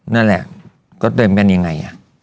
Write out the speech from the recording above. นั่นแหละก็เติมกันอย่างไร